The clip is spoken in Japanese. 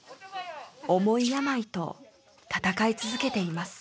重い病と闘い続けています。